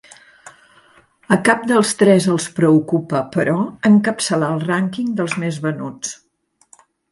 A cap dels tres els preocupa, però, encapçalar el rànquing dels més venuts.